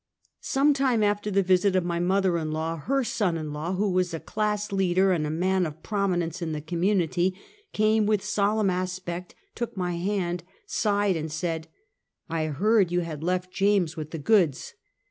Some time after the visit of my raother in law, her son in law — who was a class leader and a man of prom inence in the community — came with solemn aspect, took my hand, sighed, and said: " I heard you had left James with the goods."